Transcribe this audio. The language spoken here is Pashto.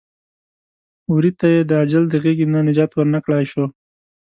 وري ته یې د اجل د غېږې نه نجات ور نه کړلی شو.